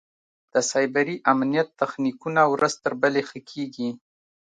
د سایبري امنیت تخنیکونه ورځ تر بلې ښه کېږي.